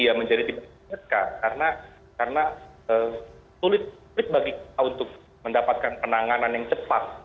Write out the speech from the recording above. yang menjadi tipe jatuh karena sulit bagi kita untuk mendapatkan penanganan yang cepat